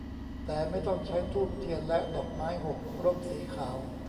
แต่ไม่ต้องใช้ธูปเทียนและดอกไม้ หก ร่มสีขาว